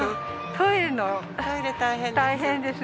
トイレ大変です。